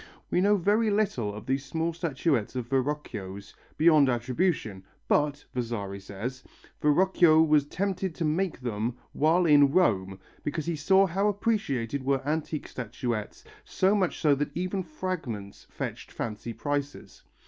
We know very little of these small statuettes of Verrocchio's, beyond attribution, but, Vasari says, Verrocchio was tempted to make them while in Rome, because he saw how appreciated were antique statuettes, so much so that even fragments fetched fancy prices.